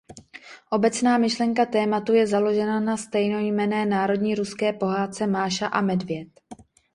Obecná myšlenka tématu je založena na stejnojmenné národní ruské pohádce Máša a medvěd.